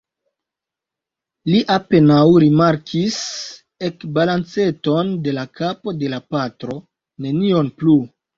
Li apenaŭ rimarkis ekbalanceton de la kapo de la patro; nenion plu.